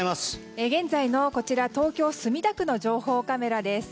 現在の東京・墨田区の情報カメラです。